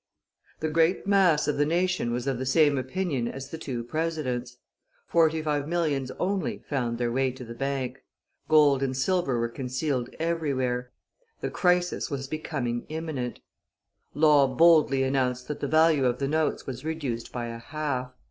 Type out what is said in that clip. The great mass of the nation was of the same opinion as the two presidents; forty five millions only found their way to the Bank; gold and silver were concealed everywhere. The crisis was becoming imminent; Law boldly announced that the value of the notes was reduced by a half.